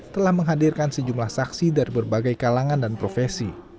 telah menghadirkan sejumlah saksi dari berbagai kalangan dan profesi